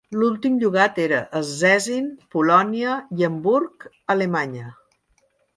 L'últim llogat era en Szczecin, Polònia, i Hamburg, Alemanya.